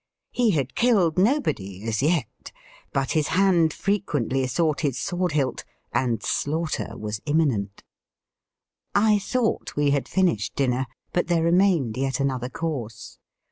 He had killed nobody as yet, but his hand frequently sought his sword hilt, and slaughter was imminent. I thought we had finished dinner, but there remained yet another course.